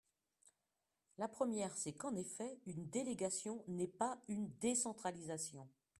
La première, c’est qu’en effet, une délégation n’est pas une décentralisation.